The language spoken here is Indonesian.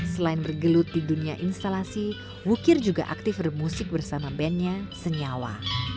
selain bergelut di dunia instalasi wukir juga aktif bermusik bersama bandnya senyawa